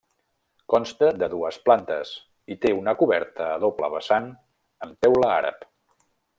Consta de dues plantes i té una coberta a doble vessant amb teula àrab.